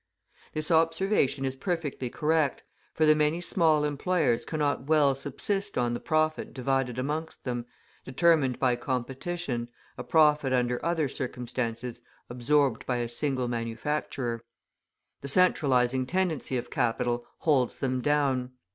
This observation is perfectly correct, for the many small employers cannot well subsist on the profit divided amongst them, determined by competition, a profit under other circumstances absorbed by a single manufacturer. The centralising tendency of capital holds them down.